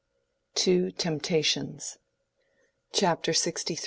TWO TEMPTATIONS. CHAPTER LXIII.